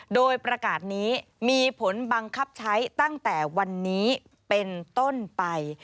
โดยประกาศนี้มีผลบังคับใช้ตั้งแต่วันนี้เป็นต้นไป